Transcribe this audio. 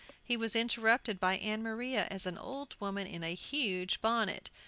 He was interrupted by Ann Maria as an old woman in a huge bonnet.